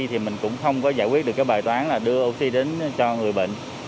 thì mình cũng không có giải quyết được cái bài toán là đưa oxy đến cho người bệnh